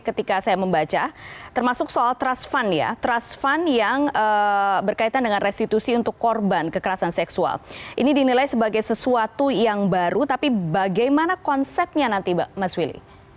ketika saya membaca termasuk soal trust fund ya trust fund yang berkaitan dengan restitusi untuk korban kekerasan seksual ini dinilai sebagai sesuatu yang baru tapi bagaimana konsepnya nanti mas willy